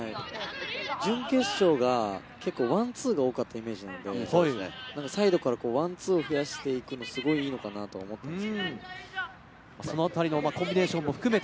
準決勝が結構ワンツーが多かったイメージなので、サイドからワンツーを出していくのがいいのかなと思っています。